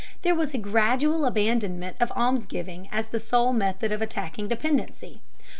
There was a gradual abandonment of almsgiving as the sole method of attacking dependency.